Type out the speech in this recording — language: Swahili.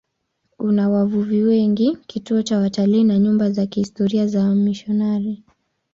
Una wavuvi wengi, kituo cha watalii na nyumba za kihistoria za wamisionari.